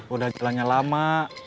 udah jalannya lama